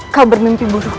kau bermimpi apa